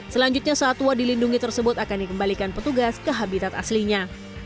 selanjutnya satwa dilindungi tersebut akan dikembalikan petugas ke habitat aslinya